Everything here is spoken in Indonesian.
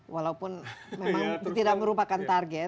walaupun memang tidak merupakan target